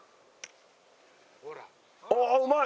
あうまい！